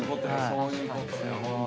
そういうことよ。